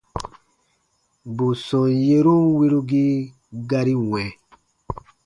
Bù sɔm yerun wirugii gari wɛ̃.